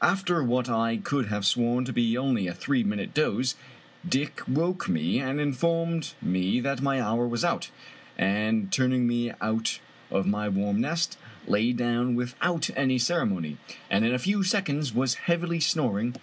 After what I could have sworn to be only a three minute doze, Dick woke me and informed me that my hour was out, and turning me out of my warm nest, lay down with out any ceremony, and in a few seconds was heavily snor ing.